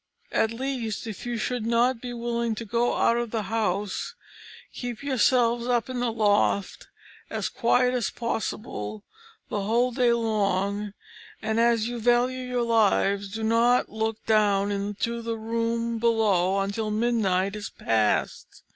At least, if you should not be willing to go out of the house, keep yourselves up in the loft as quiet as possible the whole day long, and as you value your lives do not look down into the room below until midnight is past.